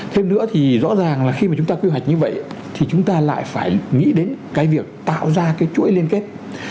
thêm nữa thì rõ ràng là khi mà chúng ta quy hoạch như vậy thì chúng ta lại phải nghĩ đến cái việc tạo ra cái chuỗi liên kết